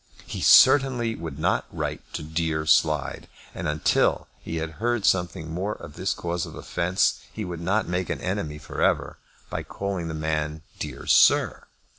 He certainly would not write to "dear Slide;" and, until he had heard something more of this cause of offence, he would not make an enemy for ever by calling the man "dear Sir."